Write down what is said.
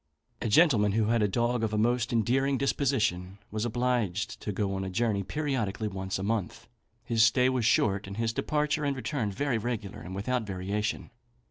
A gentleman who had a dog of a most endearing disposition, was obliged to go a journey periodically once a month. His stay was short, and his departure and return very regular, and without variation.